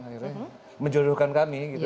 akhirnya menjodohkan kami gitu